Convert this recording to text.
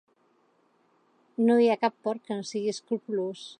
No hi ha cap porc que no sigui escrupolós.